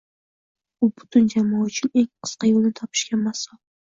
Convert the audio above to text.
U butun jamoa uchun eng qisqa yo’lni topishga mas’ul